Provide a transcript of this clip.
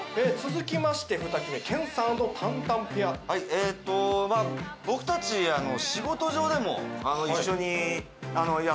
えっとまあ僕たち仕事上でも一緒にやってますんで。